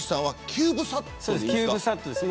キューブサットです。